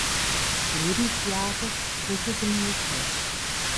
Lebensjahres resignierte.